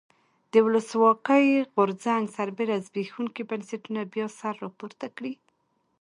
د ولسواکۍ غورځنګ سربېره زبېښونکي بنسټونه بیا سر راپورته کړي.